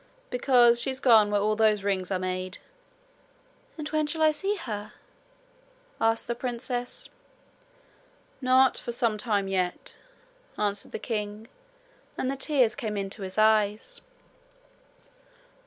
'Because she's gone where all those rings are made.' 'And when shall I see her?' asked the princess. 'Not for some time yet,' answered the king, and the tears came into his eyes.